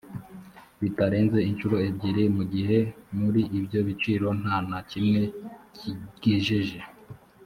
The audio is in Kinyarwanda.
bitarenze inshuro ebyiri mu gihe muri ibyo biciro nta na kimwe kigejeje